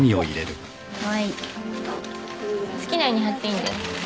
好きなように貼っていいんだよ。